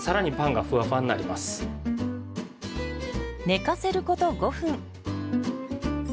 寝かせること５分。